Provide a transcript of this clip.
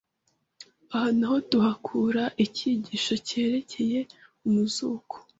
Aha na ho tuhakura icyigisho cyerekeye umuzuko